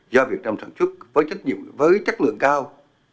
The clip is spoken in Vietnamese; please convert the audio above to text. do việt nam sản xuất với chất lượng cao